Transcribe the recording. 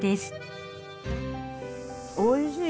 わおいしい！